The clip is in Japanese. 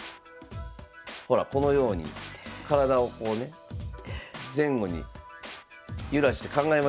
ほらこのように体をこうね前後に揺らして考えますよね。